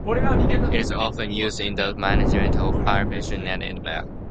It is often used in the management of hypertension and edema.